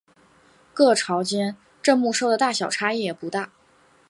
各朝间镇墓兽的大小差异也不大。